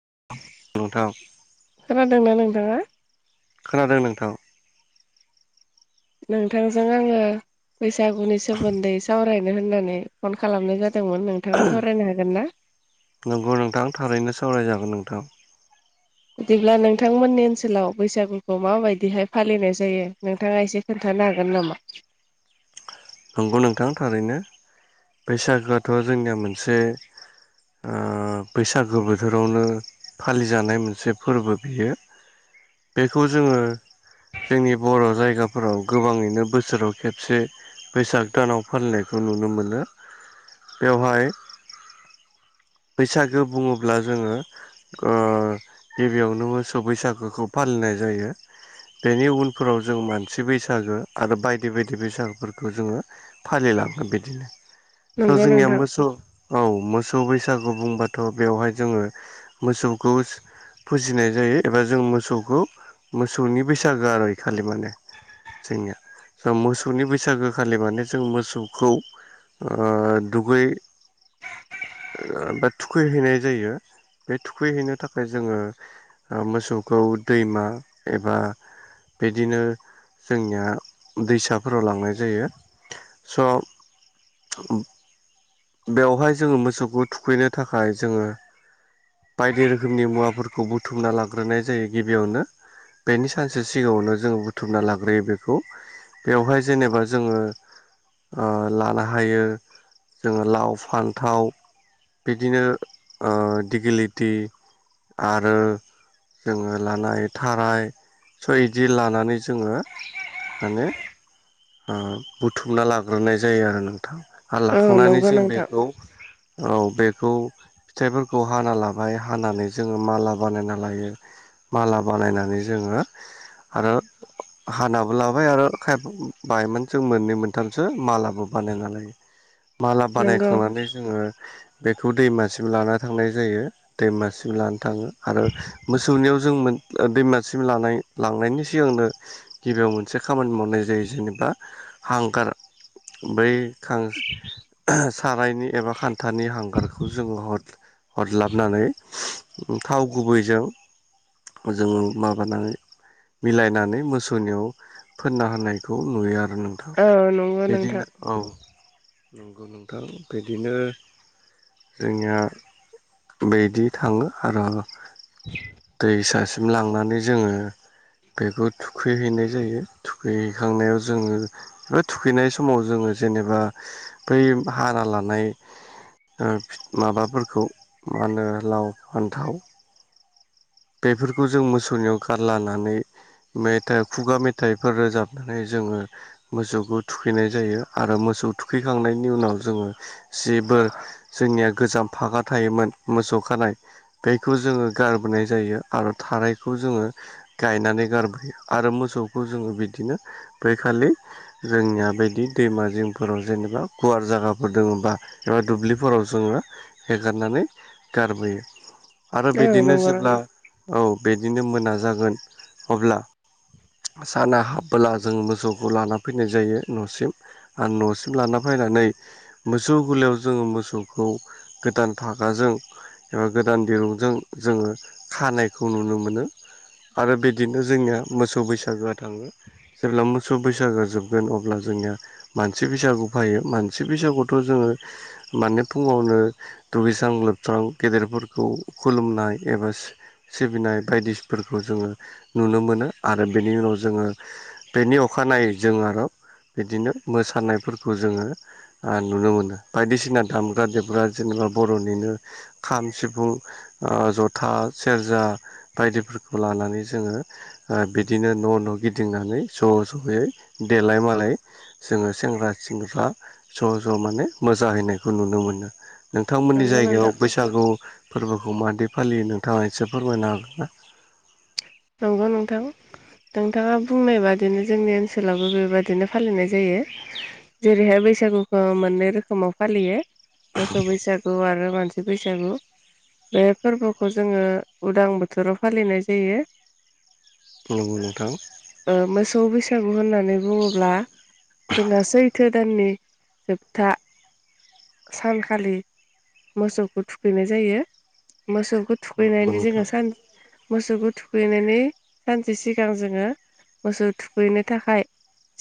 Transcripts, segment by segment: [unintelligible] खोनादोंना नोंथाङा खोनादों नोंथां नोंथांजों आङो बैसागुनि सोमोन्दै सावराय नो होननानै फन खालामनाय जादोंमोन नोंथाङा सावरायनो हागोन ना नंगौ नोंथां थारैनो सावरायजागोन नोंथां बिदिब्ला नोंथांमोननि ओनसोलाव बैसागुखौ माबायदिहाय फालिनाय जायो नोंथाङा एसे खोन्था नो हागोन नामा नंगौ नोंथां थारैनो बैसागोआथ' जोंनिया मोनसे ओ बैसागो बोथोरावनो फालिजानाय मोनसे फोरबो बियो बेखौ जोङो जोंनि बर' जायगाफोराव गोबाङैनो बोसोराव खेबसे बैसाग दानाव फालिनायखौ नुनो मोनो बेवहाय बैसागो बुङोब्ला जोङो ओ गिबियावनो मोसौ बैसागोखौ फा लिनाय जायो बेनि उनफोराव जों मानसि बैसागो आरो बायदि बायदि बैसागोफोरखौ जोङो फालि लाङो बेदिनो स नंगौ जोंनिया नोंथां मोसौ औ मोसौ बैसा सागु बुंबाथ' बेवहाय जोङो मोसौखौ फुजिनाय जायो एबा जों मोसौखौ मोसौनि बैसागो आरो ओइ खालि माने जोंनिया स मोसौनि बैसागोखालि माने जों मोसौखौ ओ दुगै [unintelligible] बा थुखैहैनाय जायो बे थुखैहैनो थाखाय जोङो ओ मोसौखौ दैमा एबा बिदिनो जोंनिया दैसाफोराव लांनाय जायो स' बेवहाय जोङो मोसौखौ थुखैनो थाखाय जोङो बायदि रोखोमनि मुवाफोरखौ बुथुमना लाग्रोनाय जायो गिबियावनो बेनि सानसे सिगाङावनो जोङो बुथुमना लाग्रोयो बेखौ बेवहाय जेनेबा जोङो ओ लानो हायो जोङो लाव फान्थाव बिदिनो ओ दिगिलिटि आरो जोङो लानो हायो थाराय स' इदि लानानै जोङो माने ओ बुथुमना लाग्रोनाय जायो आरो नोंथां हा औ लाखांनानै नंगौ जों नोंथां बेखौ औ बे खौ फिथाइफोरखौ हाना लाबाय हानानै जोङो माला बानायना लायो माला बानायनानै जोङो आरो हानाबो लाबाय आरो खायफा बायमोन जों मोननै मोनथामसो मालाबो बानायनानै माला नंगौ बानायखांनानै जोङो बेखौ दैमासिम लाना थांनाय जायो दैमासिम लाना थाङो आरो मोसौनियाव जों मोन दैमासिम लानाय लांनायनि सिगांनो गिबियाव मोनसे खामानि मावनाय जायो जेने हांगार बै खां सारायनि एबा खान्थानि हांगारखौ जोङो हर हरलाबनानै थाव गुबैजों जों माबानानै मिलायनानै मोसौनियाव फोनना होनायखौ आं नोंथां औ नंगौ नोंथां बिदिनो औ नंगौ नोंथां बिदिनो जोंनिया बिदि थाङो आरो दैसासिम लांनानै जोङो बेखौ थुखैहैनाय जायो थुखैहैखांनायाव जोङो बा थुखैनाय समाव जोङो जेनेबा बै हारा लानाय माबाफोरखौ मा होनो लाव फानथाव बेफोरखौ जों मोसौनियाव गारलानानै मेथाइ खुगा मेथाइफोर रोजाबनानै जोङो मोसौखौ थुखैनाय जायो आरो मो सौ थुखैखांनायनि उनाव जोङो जेबो जोंनिया गोजाम फागा थायोमोन मो सौ खानाय बेखौ जोङो गारबोनाय जायो आरो थारायखौ जोङो गायनानै गारबोयो आरो मोसौखौ जोङो बिदिनो बैखालि जोंनिया बायदि दैमा जिंफोराव जेनेबा गुवार जागाफोर दङबा एबा दुब्लिफोराव जोङो हेगारनानै गारबोयो आरो औ बिदिनो नंगौ जेब्ला नोंथां औ बिदिनो मोना जागोन अब्ला साना हाबबोला जों मोसौखौ लाना फैनाय जायो न'सिम आरो न'सिम लाना फैनानै मोसौ गोलियाव जोङो मोसौखौ गोदान फागा जों एबा गोदान दिरुंजों जोङो खानायखौ नुनो मोनो। आरो बिदिनो जोंनिया मोसौ बैसागोआ थाङो जेब्ला मोसौ बैसागो जोबगोन अब्ला जोंनिया मानसि बैसागु फायो मानसि बैसागुआवथ' जो ङो माने फुङावनो दुगैस्रां लोबस्रां गेदेरफोरखौ खुलुमनाय एबा सिबिनाय बायदिफोरखौ जोङो नुनो मोनो आरो बेनि उनाव जोङो बेनि अखानायै जों आरो बिदिनो मोसानायफोरखौ जोङो नुनो मोनो बायदिसिना दामग्रा देग्रा जेने बा बर'निनो खाम सिफुं ओ जथा सेरजा बायदिफोरखौ लानानै जोङो ओ बिदिनो न' न' गिदिंनानै ज' ज'यै देलाय मालाय जोङो सेंग्रा सिख्ला ज' ज' माने मोजाहैनायखौ नुनो मोनो नोंथांमोननि नंगौ नोंथां जायगायाव बैसागु फोरबोखौ मादि फालियो नों थाङा एसे फोरमायनो हागोन ना? नंगौ नोंथां नोंथाङा बुंनाय बादिनो जोंनि ओनसोलावबो बेबादिनो फालिनाय जायो जेरैहाय बैसागुखौ मोननै रोखोमाव फालियो मोसौ बैसागु आरो मानसि बैसागु बे फोरबोखौ जोङो उदां बोथोराव फालिनाय जायो नंगौ नोंथां ओ मोसौ बैसागु होननानै बुङोब्ला जोंहा सैथो दाननि जोबथा सानखालि मोसौखौ थुखैनाय जायो मोसौखौ नंगौ थुखैनानै जोङो नोंथां सान मोसौखौ थुखैनायनि सानसे सिगां जोङो मोसौ थुखैनो थाखाय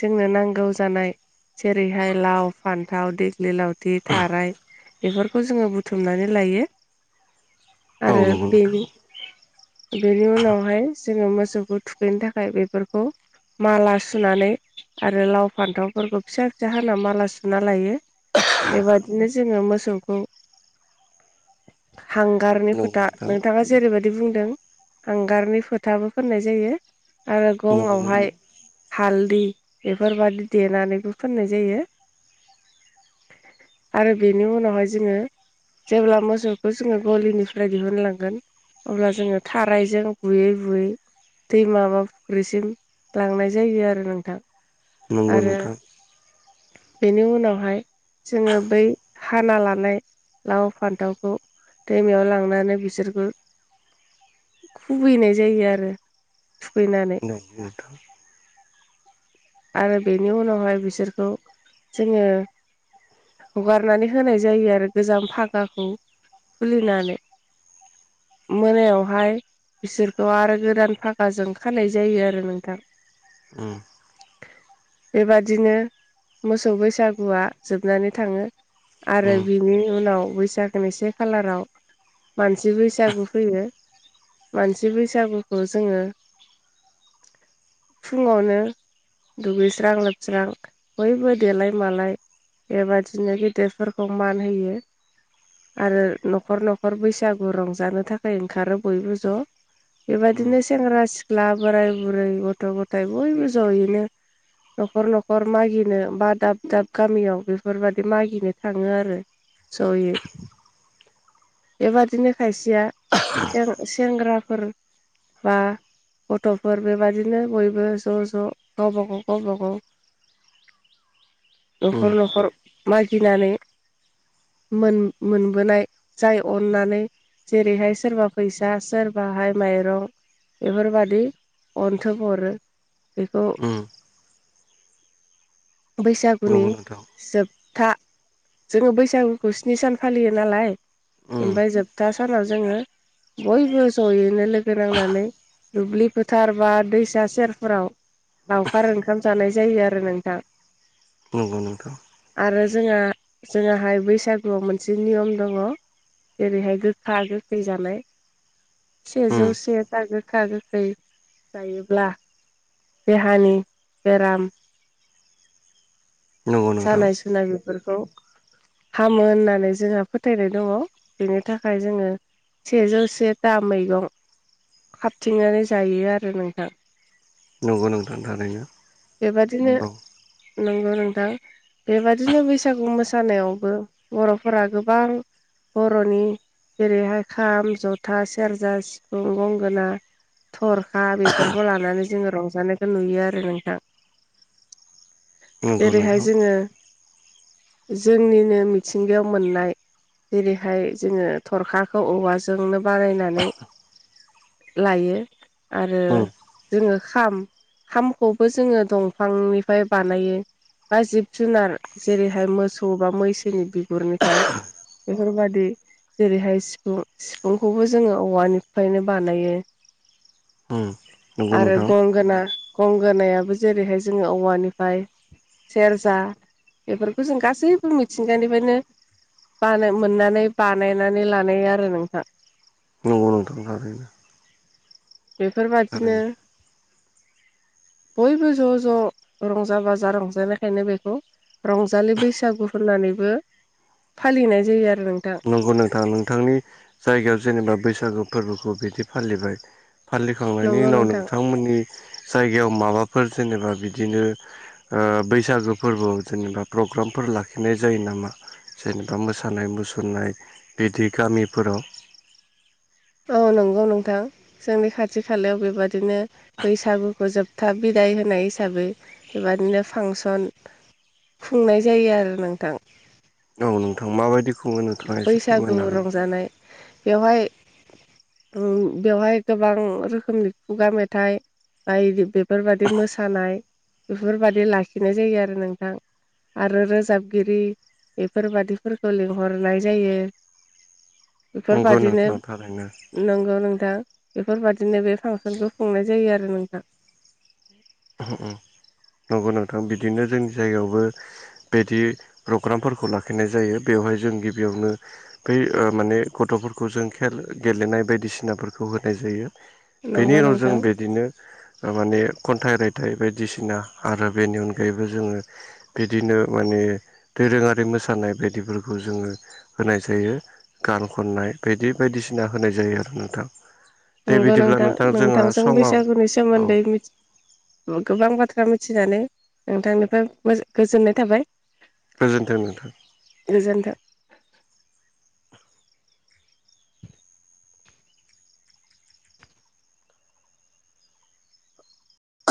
जोंनो नांगौ जानाय जेरैहाय लाव फान्थाव देग्लि लाव थि थाराय बेफोरखौ जोङो बुथुमनानै लायो औ आरो नंगौ नोंथां बेनि बेनि उनावहाय जोङो मोसौखौ थुखैनो थाखाय बेफोरखौ माला सुनानै आरो लाव फान्थावफोरखौ फिसा फिसा हाना माला सुना लायो बेबादिनो जोङो मोसौखौ हांगारनि नंगौ फोथा नोंथां। नोंथाङा जेरैबायदि बुंदों हांगारनि फोथाबो फोननाय जायो आरो नंगौ गङावहाय हाल दि बेफोरबायदि देनानैबो फोननाय जायो। आरो बेनि उनावहाय जोङो जेब्ला मोसौखौ जोङो गलिनिफ्राय दिहुनलांगोन अब्ला जोङो थारायजों बुयै बुयै दैमा बा फुख्रिसिम लांनाय जायो आरो नोंथां नंगौ आरो नोंथां बेनि उनावहाय जोङो बै हाना लानाय लाव फान्थावखौ दैमायाव लांनानै बिसोरखौ खुबैनाय जायो आरो थुखैनानै नंगौ नोंथां आरो बेनि उनावहाय बिसोरखौ जोङो हगारनानै होनाय जायो आरो गोजाम फागाखौ खुलिनानै मोनायावहाय बिसोरखौ आरो गोदान फाखाजों खानाय जायो आरो नोंथां उम बेबादिनो मोसौ बैसागुआ जोबनानै थाङो। आरो उम बिनि उनाव बैसागोनिसे खालाराव मानसि बैसागु फैयो मानसि बैसागुखौ जोङो फुङावनो दुगैस्रां लोबस्रां बयबो देलाय मालाय बेबादिनो गेदेरफोरखौ मान होयो। आरो न'खर न'खर बैसागु रंजानो थाखाय ओंखारो बयबो ज' उम बेबायदिनो सेंग्रा सिख्ला बोराय बुरै गथ' गथाय बयबो ज'यैनो न'खर न'खर मागिनो बा दाब दाब गामियाव बेफोरबायदि मागिनो थाङो आरो ज'यै बेबादिनो खायसेया सेंग्राफोर बा गथ'फोर बेबायदिनो बयबो ज' ज' गावब गाव गावबागाव [inaudible] उम न'खर न'खर मागिनानै मोन मोनबोनाय जाय अननानै जेरैहाय सोरबा फैसा सोरबाहाय माइरं बेफोरबादि अन्थोब हरो बेखौ उम बैसागुनि नंगौ नोंथां जोब था जोङो बैसागुखौ स्नि सान फालियो नालाय उम ओमफ्राय जोबथा सानाव जोङो बयबो जयैनो लोगो नांनानै दुब्लि फोथार बा दैसा सेरफोराव लावखार ओंखाम जानाय जायो आरो नोंथां नंगौ नोंथां आरो जोंहा जोंहाय बैसागुआव मोनसे नियम दङ। जेरैहाय गोखा गोखै जानाय उम सेजौसे दा गोखा गोखै जायोब्ला देहानि बेराम नंगौ नोंथां सानाय सुनाय बेफोरखौ हामो होननानै जोंहा फोथायनाय दङ बेनि थाखाय जोङो सेजौ सेथा मैगं हाबथिंनानै जायो आरो नोंथां नंगौ नोंथां थानाया बेबादिनो नंगौ नोंथां बेबादिनो बैसागु मोसानायावबो बर'फोरा गोबां बर'नि जेरैहाय खाम जथा सेरजा सिफुं गंगोना थरखा बेफोरखौ लानानै जोङो रंजानायखौ नुयो आरो नोंथां नंगौ जेरैहाय नोंथां जोङो जोंनिनो मिथिंगायाव मोननाय जेरैहाय जोङो थरखाखौ औवाजोंनो बानायनानै लायो आरो उम जोङो खाम खामखौबो जों जोङो दंफांनिफ्राय बानायो। बा जिब जुनार जेरैहाय मोसौ बा मैसोनि बिगुरनिफ्राय बेफोरफोर बादि जेरैहाय सिफुं सिफुंखौबो जोङो औवानिफ्रायनो बानायो उम नंगौ आरो नोंथां गंगोना गंगोनायाबो जेरैहाय जोङो औवानिफाय सेरजा बेफोरखौ जों गासैबो मिथिंगानिफ्रायनो बाना मोननानै बानायनानै लानाय आरो नोंहा औ नोंथां थारैनो बेफोरबादिनो थारैनो बयबो ज' ज' रंजा बाजा रंजानायखायनो बेखौ रंजालि बैसागु होननानैबो फालिनाय जायो आरो नोंथां नंगौ नोंथाङा नोंथांनि जायगायाव जेनेबा बैसागु फोरबोखौ बिदि फालिबाय फालिखांनायनि नंगौ उनाव नोंथां नोंथांमोननि जायगायाव माबाफोर जेनेबा बिदिनो बैसागो फोरबोआव जेनेबा प्रग्रामफोर लाखिनाय जायो नामा जेनेबा मोसानाय मुसुर नाय बिदि गामिफोराव औ नंगौ नोंथां जोंनि खाथि खालायाव बेबादिनो बैसागुखौ जोबथा बिदा दाय होनाय हिसाबै बेबादिनो फांसन खुंनाय जायो आरो नोंथां औ नोंथां माबायदि खुङो नोंथाङा एसे बैसागु फोरमायनो हागोन रंजानाय बेवहाय बेवहाय गोबां रोखोमनि खुगा मेथाइ बा बेफोरबादि मोसानाय बेफोरबादि लाखिनाय जायो आरो नोंथां आरो रोजाबगिरि बेफोरबादिफोरखौ लिंहरनाय जायो नंगौ बेफोरबादिनो नोंथां थारैनो नंगौ नोंथां बेफोरबादिनो बे फांसनखौ खुंनाय जायो आरो नोंथां नंगौ नांथां बिदिनो जोंनि जायगायावबो बिदि प्रग्रामफोरखौ लाखिनाय जायो बेवहाय जों गिबियावनो बै माने गथ' फोरखौ जों खेल गेलेनाय बायदिसिनाफोरखौ होनाय जायो बेनि नंगौ उनाव जों नोंथां बिदिनो माने खनथाग रायथाइ बायदिसिना आरो बेनि अनगायैबो जोङो बिदिनो माने [unintelligible] दोरोङारि मोसानाय बायदिफोरखौ जोङो होनाय जायो गान खननाय बायदि बायदिसिना होनाय जायो आरो नोंथां दे नंगौ बिदिब्ला नोंथां जोंहा नोंथांजों समा बैसागुनि औ सोमोन्दै गोबां बाथ्रा मिथिनानै नोंथांनिफ्राय गोजोननाय थाबाय गोजोनथों नोंथां गोजोन्थों